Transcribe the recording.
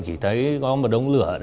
chỉ thấy có một đống lửa